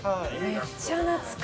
めっちゃ懐かしい。